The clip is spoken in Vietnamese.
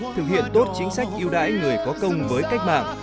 thực hiện tốt chính sách yêu đãi người có công với cách mạng